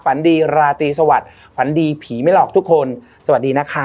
ฝันดีราตรีสวัสดิ์ฝันดีผีไม่หลอกทุกคนสวัสดีนะคะ